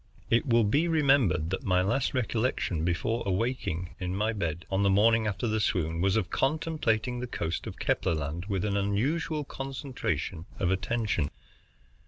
It will be remembered that my last recollection before awaking in my bed, on the morning after the swoon, was of contemplating the coast of Kepler Land with an unusual concentration of attention.